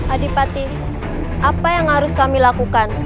adipati apa yang harus kami lakukan